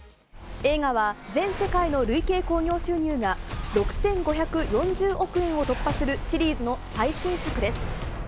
映画は、全世界の累計興行収入が、６５４０億円を突破するシリーズの最新作です。